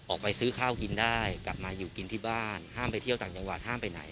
ออกไปซื้อข้าวกินได้กลับมาอยู่กินที่บ้านห้ามไปเที่ยวต่างจังหวัดห้ามไปไหน